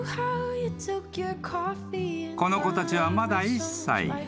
［この子たちはまだ１歳］